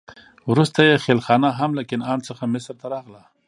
وروسته یې خېلخانه هم له کنعان څخه مصر ته راغله.